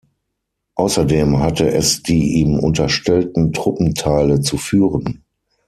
Außerdem hatte es die ihm unterstellten Truppenteile zu führen.